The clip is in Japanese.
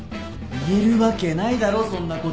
言えるわけないだろそんなこと。